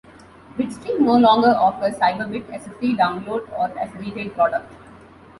Bitstream no longer offers Cyberbit as a free download or as a retail product.